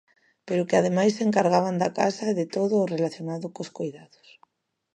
Pero que ademais se encargaban da casa e de todo o relacionado cos coidados.